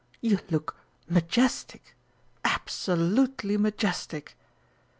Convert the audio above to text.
You look majestic! abso lute ly majestic!"